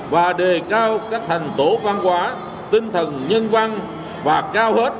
và đề cao các thành tố văn hóa tinh thần nhân văn và cao hết